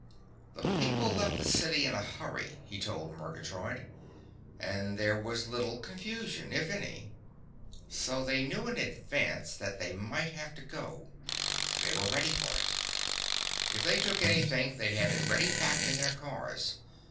"The people left the city in a hurry," he told Murgatroyd, "and there was little confusion, if any. So they knew in advance that they might have to go. They were ready for it. If they took anything, they had it ready packed in their cars.